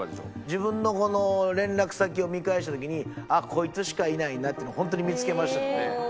自分の連絡先を見返した時にこいつしかいないなっていうの本当に見付けましたので。